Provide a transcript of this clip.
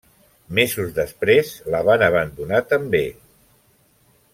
Mesos després la van abandonar també.